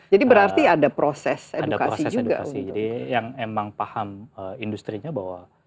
jadi yang emang paham industri nya bahwa